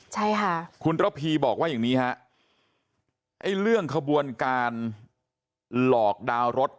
ใช่ค่ะคุณระพีบอกว่าอย่างนี้ฮะไอ้เรื่องขบวนการหลอกดาวน์รถ